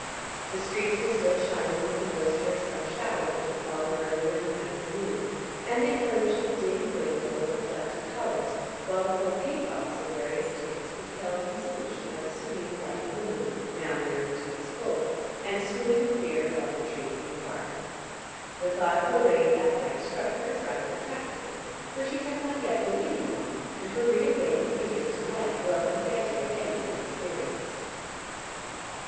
The streets were still shining with the moisture of some shower that had fallen earlier in the afternoon and they furnished a dim rainbow of reflected colours while the whole paint box of various tints was held in solution by the serene light of the moon now near to its full, and swinging clear above the trees in the Park. The thought of a raid that night struck her as rather attractive, for she had not yet been in one, and her re awakened interest in life welcomed the idea of any new experience.